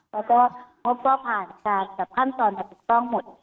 แล้วก็งบก็ผ่านจากขั้นตอนปรุกต้องหมด